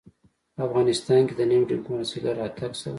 په افغانستان کې د نوي ډيموکراسۍ له راتګ سره.